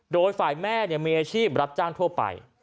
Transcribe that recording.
โดยฝ่ายแม่มีอาชีพรับจ้างทั่วไป